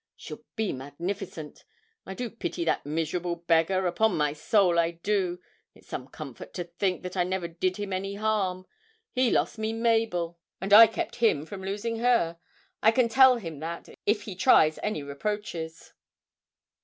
She'll be magnificent. I do pity that miserable beggar, upon my soul, I do it's some comfort to think that I never did him any harm; he lost me Mabel and I kept him from losing her. I can tell him that if he tries any reproaches!'